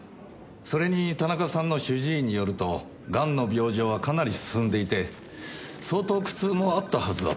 それに田中さんの主治医によるとがんの病状はかなり進んでいて相当苦痛もあったはずだと。